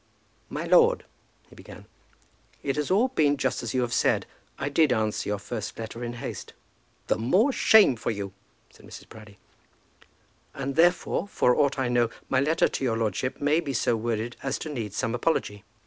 "My lord," he began, "it has all been just as you have said. I did answer your first letter in haste." "The more shame for you," said Mrs. Proudie. "And therefore, for aught I know, my letter to your lordship may be so worded as to need some apology."